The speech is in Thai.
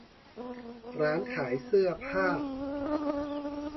ร้านขายเสื้อผ้า